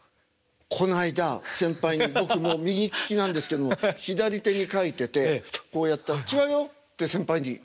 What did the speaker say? この間先輩に僕も右利きなんですけども左手に書いててこうやったら「違うよ」って先輩に。